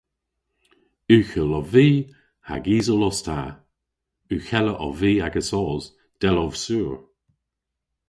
"Ughel ov vy hag isel os ta. Ughella ov vy agesos, dell ov sur."